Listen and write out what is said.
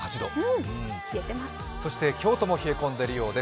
京都も冷え込んでいるようです。